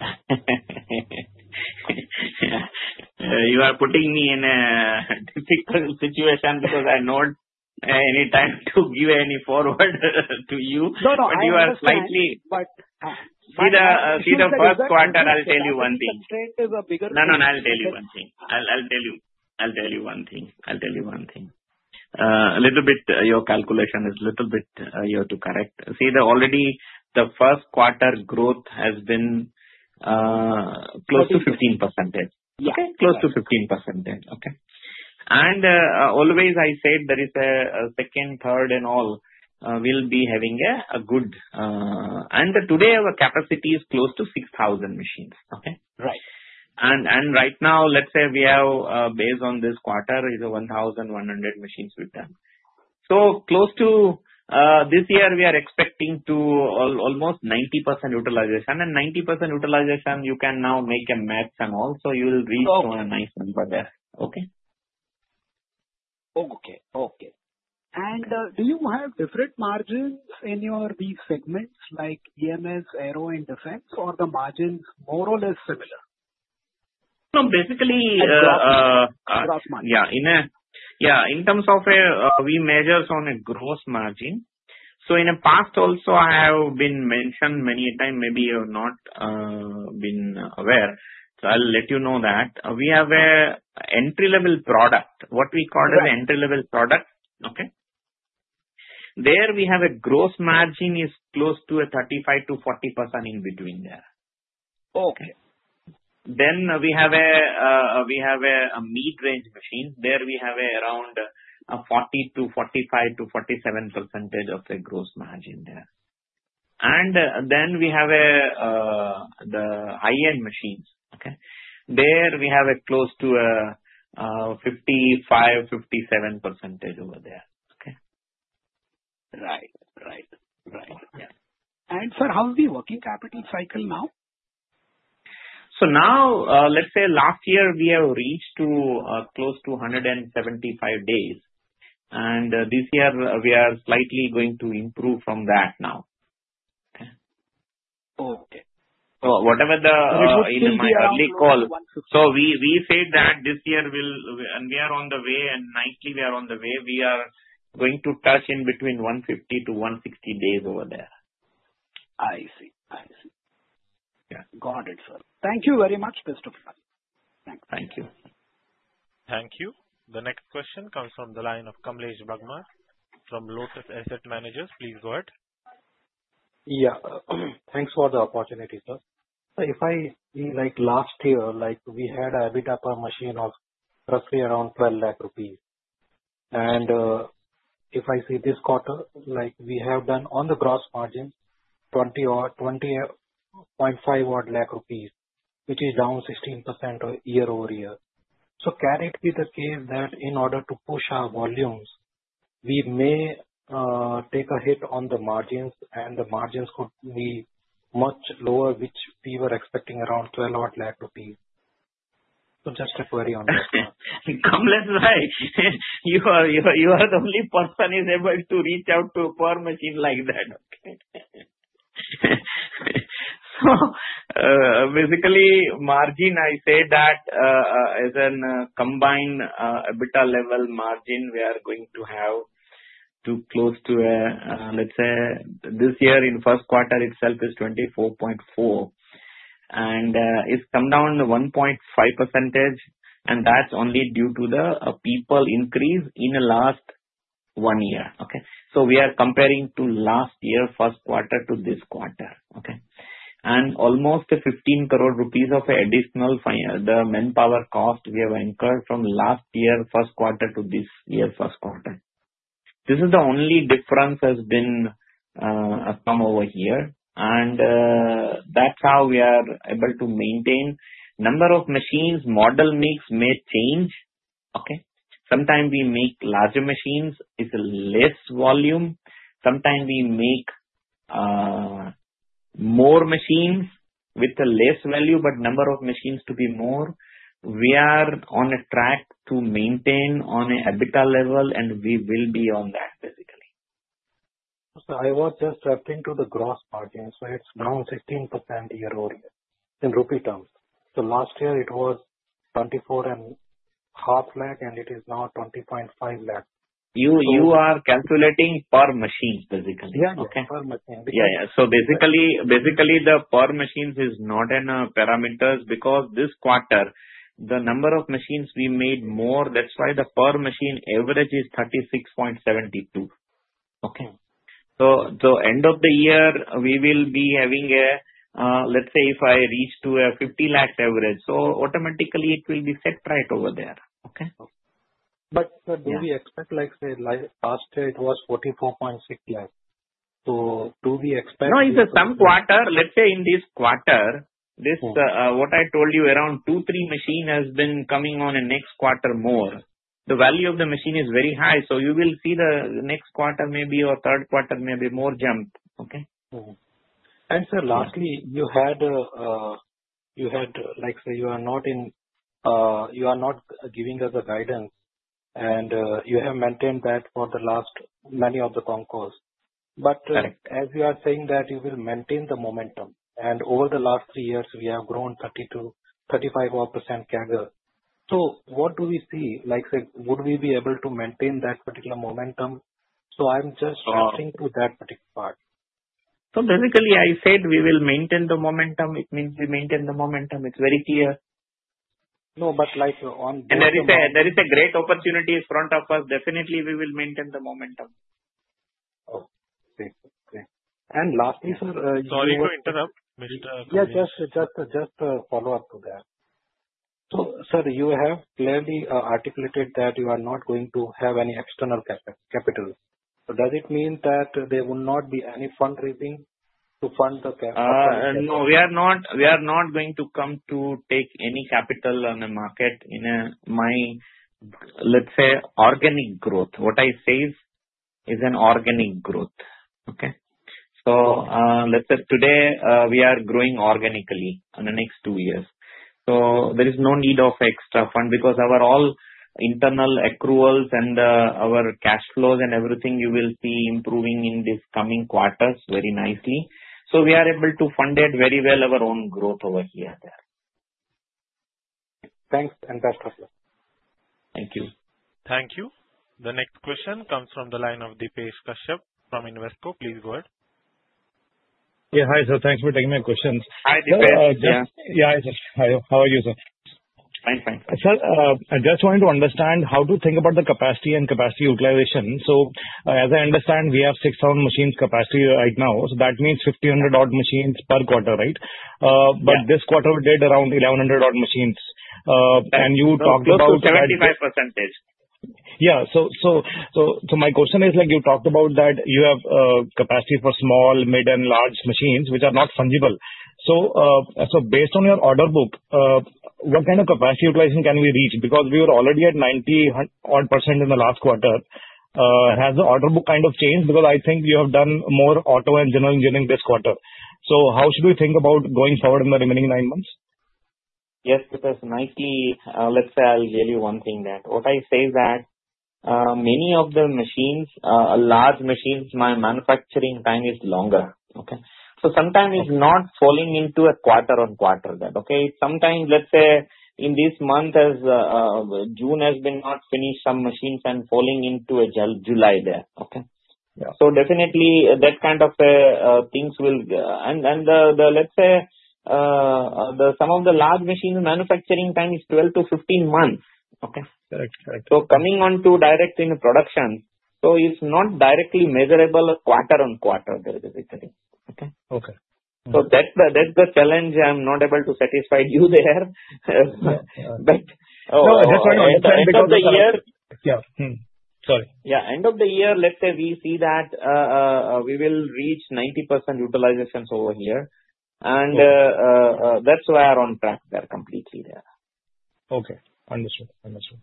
Speaker 3: You are putting me in a difficult situation because I'm not any time to give any forward to you. No, no. I understand, but see, the first quarter. I'll tell you one thing. No, no. A little bit, your calculation is a little bit here to correct. See, already the first quarter growth has been close to 15%. Okay. And always I said there is a second, third, and all will be having a good, and today, our capacity is close to 6,000 machines, okay? Right. And right now, let's say we have, based on this quarter, is 1,100 machines with them. So close to this year, we are expecting to almost 90% utilization. And 90% utilization, you can now make a match and all, so you will reach a nice number there, okay?
Speaker 14: Okay. Do you have different margins in your these segments like EMS, aero, and defense, or the margins more or less similar? Basically, a gross margin.
Speaker 3: Yeah. Yeah. In terms of we measure on a gross margin. So in the past also, I have been mentioned many times, maybe you have not been aware, so I'll let you know that. We have an entry-level product, what we call an entry-level product, okay? There we have a gross margin is close to 35%-40% in between there. Then we have a mid-range machine. There we have around 40%-47% of the gross margin there. And then we have the high-end machines, okay? There we have close to 55%-57% over there, okay?
Speaker 14: Right. Right. Right. Sir, how is the working capital cycle now?
Speaker 3: So now, let's say last year, we have reached close to 175 days. And this year, we are slightly going to improve from that now, okay? Okay. In my early call, so we said that this year and we are on the way, and nicely, we are on the way. We are going to touch in between 150-160 days over there.
Speaker 14: I see. I see. Got it, sir. Thank you very much, Christopher.
Speaker 3: Thank you.
Speaker 1: Thank you. The next question comes from the line of Kamlesh Bagmar from Lotus Asset Managers. Please go ahead.
Speaker 15: Yeah. Thanks for the opportunity, sir. If I see last year, we had a bit of a machine of roughly around 12 lakh rupees. If I see this quarter, we have done on the gross margin 20.5 lakh rupees, which is down 16% year-over-year. Can it be the case that in order to push our volumes, we may take a hit on the margins, and the margins could be much lower, which we were expecting around 12 lakh rupees? Just a query on that.
Speaker 3: Kamlesh Bagmar, you are the only person who is able to reach out to a per machine like that, okay? Basically, margin, I say that as a combined EBITDA level margin, we are going to have close to a—let's say this year in first quarter itself is 24.4%. It's come down 1.5%, and that's only due to the people increase in the last one year, okay? So we are comparing to last year first quarter to this quarter, okay? And almost 15 crore rupees of additional manpower cost we have incurred from last year first quarter to this year first quarter. This is the only difference that has come over here. And that's how we are able to maintain number of machines. Model mix may change, okay? Sometimes we make larger machines with less volume. Sometimes we make more machines with less value, but number of machines to be more. We are on a track to maintain on an EBITDA level, and we will be on that, basically.
Speaker 12: So I was just referring to the gross margin. So it's down 16% year-over-year in rupee terms. So last year, it was 24.5 lakh, and it is now 20.5 lakh.
Speaker 3: You are calculating per machine, basically, okay?
Speaker 15: Yeah. Per machine.
Speaker 3: Yeah. So basically, the per machines is not in parameters because this quarter, the number of machines we made more, that's why the per machine average is 36.72, okay? So end of the year, we will be having a, let's say if I reach to a 50 lakh average, so automatically, it will be set right over there, okay?
Speaker 15: But sir, do we expect, like I said, last year, it was 44.6 lakh. So do we expect.
Speaker 3: No, it's a some quarter. Let's say in this quarter, what I told you, around two, three machines has been coming on in next quarter more. The value of the machine is very high, so you will see the next quarter maybe or third quarter maybe more jump, okay?
Speaker 15: Sir, lastly, you had, like I said, you are not giving us a guidance, and you have maintained that for the last many of the concalls. But as you are saying that you will maintain the momentum, and over the last three years, we have grown 35-odd% CAGR. So what do we see? Like I said, would we be able to maintain that particular momentum? So I'm just referring to that particular part.
Speaker 3: So basically, I said we will maintain the momentum. It means we maintain the momentum. It's very clear. No, but on and there is a great opportunity in front of us. Definitely, we will maintain the momentum.
Speaker 15: Okay. Lastly, sir, sorry to interrupt. Yeah. Just a follow-up to that. So sir, you have clearly articulated that you are not going to have any external capital. So does it mean that there will not be any fundraising to fund the capital?
Speaker 3: No, we are not going to come to take any capital on the market in a, let's say, organic growth. What I say is an organic growth, okay? So let's say today, we are growing organically in the next two years. So there is no need of extra fund because our all internal accruals and our cash flows and everything, you will see improving in this coming quarters very nicely. So we are able to fund it very well, our own growth over here and there.
Speaker 15: Thanks. Fantastic.
Speaker 3: Thank you.
Speaker 1: Thank you. The next question comes from the line of Dipesh Kashyap from Invesco. Please go ahead.
Speaker 16: Yeah. Hi, sir. Thanks for taking my questions.
Speaker 3: Hi, Dipesh.
Speaker 16: Yeah. Hi, sir. How are you, sir?
Speaker 3: Fine. Fine.
Speaker 16: Sir, I just wanted to understand how to think about the capacity and capacity utilization. So as I understand, we have 6,000 machines capacity right now. So that means 1,500-odd machines per quarter, right? But this quarter, we did around 1,100-odd machines. And you talked about 75%. Yeah. So my question is, you talked about that you have capacity for small, mid, and large machines, which are not fungible. So based on your order book, what kind of capacity utilization can we reach? Because we were already at 90-odd% in the last quarter. Has the order book kind of changed? Because I think you have done more auto and general engineering this quarter. So how should we think about going forward in the remaining nine months?
Speaker 3: Yes, because nicely, let's say I'll tell you one thing that what I say is that many of the machines, large machines, my manufacturing time is longer, okay? So sometimes it's not falling into a quarter on quarter there, okay? Sometimes, let's say in this month, as June has been not finished, some machines are falling into a July there, okay? So definitely, that kind of things will and let's say some of the large machine manufacturing time is 12-15 months, okay? Correct. Correct. So coming onto direct in production, so it's not directly measurable quarter on quarter there, basically, okay? Okay. So that's the challenge I'm not able to satisfy you there. But no, just want to understand because the year yeah. Sorry. Yeah. End of the year, let's say we will reach 90% utilizations over here. And that's why I'm on track there completely there.
Speaker 16: Okay. Understood. Understood.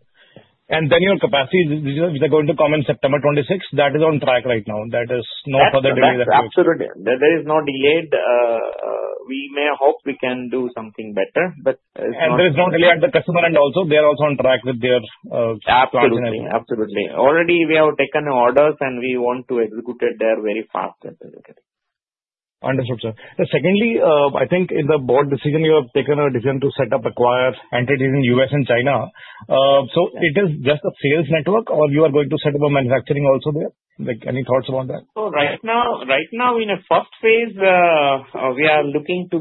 Speaker 16: And then your capacity, which is going to come on September 26, that is on track right now. That is no further delay that you.
Speaker 3: Absolutely. There is no delay. We may hope we can do something better, but it's not.
Speaker 16: And there is no delay at the customer, and also, they are also on track with their.
Speaker 3: Absolutely. Absolutely. Already, we have taken orders, and we want to execute it there very fast, basically.
Speaker 16: Understood, sir. Secondly, I think in the board decision, you have taken a decision to set up acquired entities in U.S. and China. So it is just a sales network, or you are going to set up a manufacturing also there? Any thoughts about that?
Speaker 3: So right now, in a first phase, we are looking to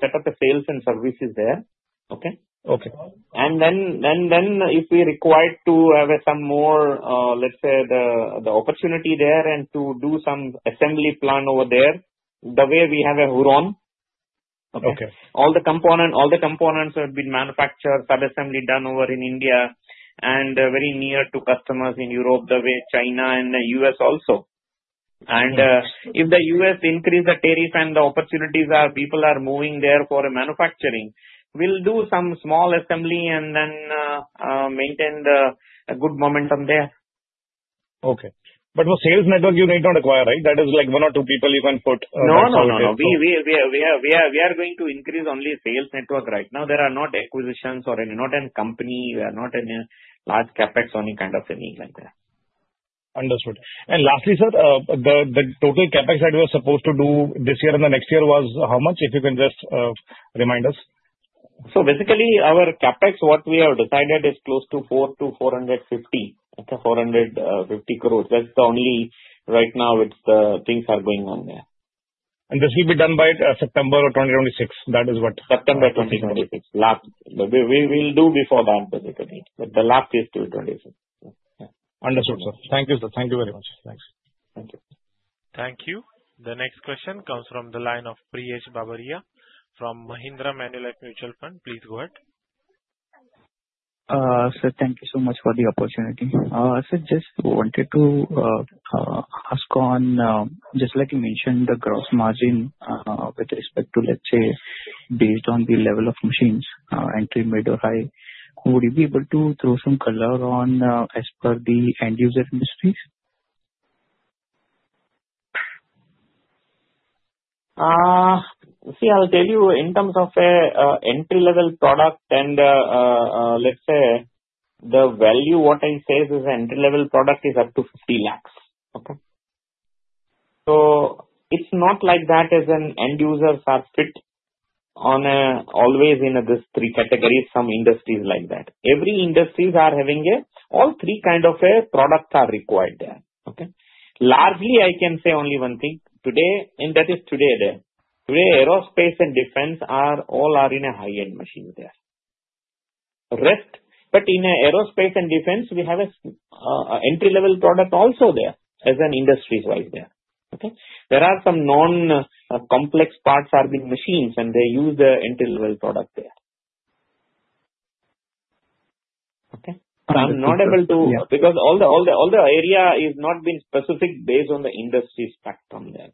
Speaker 3: set up the sales and services there, okay? And then if we required to have some more, let's say, the opportunity there and to do some assembly plan over there, the way we have a Huron, okay? All the components have been manufactured, subassembly done over in India, and very near to customers in Europe the way China and the U.S. also. And if the U.S. increase the tariff and the opportunities are people are moving there for manufacturing, we'll do some small assembly and then maintain the good momentum there.
Speaker 16: Okay. But for sales network, you need not acquire, right? That is like one or two people you can put.
Speaker 3: No, no, no. We are going to increase only sales network right now. There are not acquisitions or any, not any company. We are not any large CapEx or any kind of anything like that.
Speaker 16: Understood. And lastly, sir, the total CapEx that we were supposed to do this year and the next year was how much? If you can just remind us.
Speaker 3: So basically, our CapEx, what we have decided, is close to 400 crores-450 crores, okay? 450 crores. That's the only right now it's the things are going on there. And this will be done by September of 2026. That is what. September 2026. We will do before that, basically. But the last is till 26.
Speaker 16: Understood, sir. Thank you, sir. Thank you very much. Thanks.
Speaker 3: Thank you.
Speaker 1: Thank you. The next question comes from the line of Priyosh Babaria from Mahindra Manulife Mutual Fund. Please go ahead.
Speaker 17: Sir, thank you so much for the opportunity. Sir, just wanted to ask on, just like you mentioned, the gross margin with respect to, let's say, based on the level of machines, entry-mid or high, would you be able to throw some color on as per the end-user industry?
Speaker 3: See, I'll tell you, in terms of entry-level product and, let's say, the value, what I say is entry-level product is up to 50 lakhs, okay? So it's not like that as an end-user fit on always in these three categories, some industries like that. Every industries are having all three kind of products are required there, okay? Largely, I can say only one thing. Today, aerospace and defense all are in a high-end machine there. But in aerospace and defense, we have an entry-level product also there as an industry right there, okay? There are some non-complex parts that are being machined, and they use the entry-level product there. Okay? I'm not able to because all the areas are not being specified based on the industry spectrum there.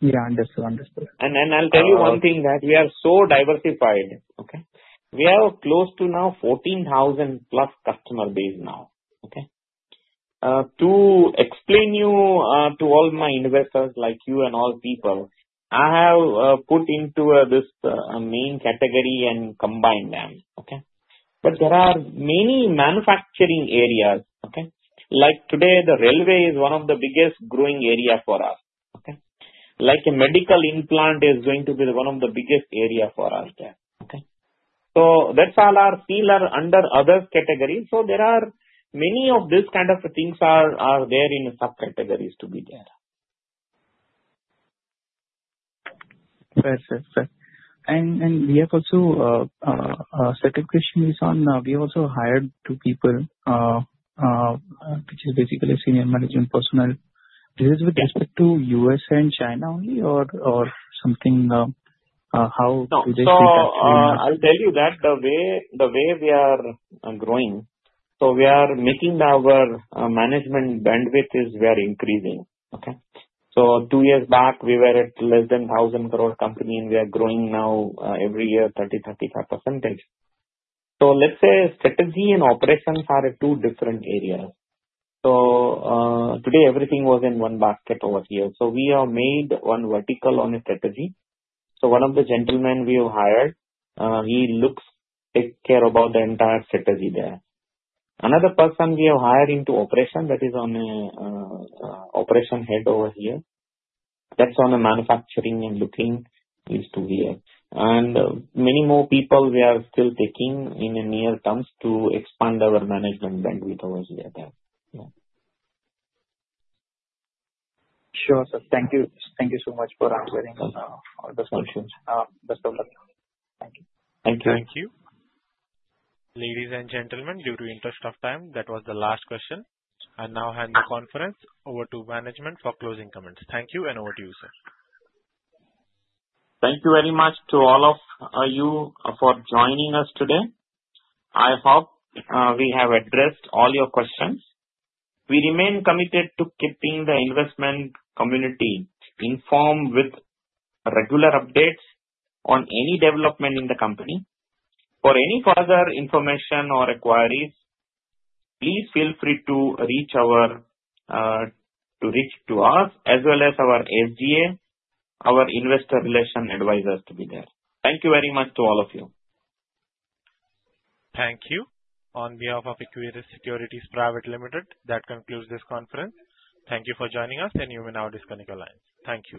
Speaker 17: Yeah. Understood. Understood.
Speaker 3: And I'll tell you one thing that we are so diversified, okay? We have close to now 14,000-plus customer base now, okay? To explain to you all my investors like you and all people, I have put into this main category and combined them, okay? But there are many manufacturing areas, okay? Like today, the railway is one of the biggest growing areas for us, okay? Like a medical implant is going to be one of the biggest areas for us there, okay? So that's all our field under other categories. So there are many of these kind of things are there in subcategories to be there.
Speaker 17: Perfect. Perfect. And we have also a second question is on we also hired two people, which is basically senior management personnel. This is with respect to U.S. and China only, or something? How do they see that?
Speaker 3: I'll tell you that the way we are growing, so we are making our management bandwidth is we are increasing, okay? So two years back, we were at less than 1,000 crore company, and we are growing now every year 30%-35%. So let's say strategy and operations are two different areas. So today, everything was in one basket over here. So we are made one vertical on a strategy. So one of the gentlemen we have hired, he looks to take care about the entire strategy there. Another person we have hired into operation, that is on an operation head over here. That's on a manufacturing and looking is to here. And many more people we are still taking in in the near term to expand our management bandwidth over here there.
Speaker 17: Yeah. Sure, sir. Thank you. Thank you so much for answering all the questions. Best of luck. Thank you.
Speaker 3: Thank you.
Speaker 1: Thank you. Ladies and gentlemen, in the interest of time, that was the last question. I now hand the conference over to management for closing comments. Thank you, and over to you, sir.
Speaker 3: Thank you very much to all of you for joining us today. I hope we have addressed all your questions. We remain committed to keeping the investment community informed with regular updates on any development in the company. For any further information or inquiries, please feel free to reach out to us as well as our SGA, our investor relations advisors. Thank you very much to all of you.
Speaker 1: Thank you. On behalf of Equirus Securities Private Limited, that concludes this conference. Thank you for joining us, and you may now disconnect the line. Thank you.